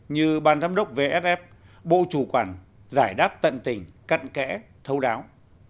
như ban giám đốc vff bộ chủ quản giải đáp tận tình cận kẽ thấu đáo